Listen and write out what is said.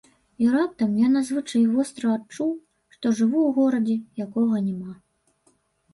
І раптам я надзвычай востра адчуў, што жыву ў горадзе, якога няма.